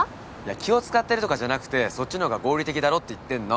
気を遣ってるとかじゃなくてそっちの方が合理的だろって言ってんの。